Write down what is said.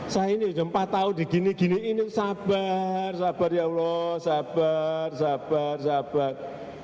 saya ini sudah empat tahun digini gini ini sabar sabar ya allah sabar sabar sabar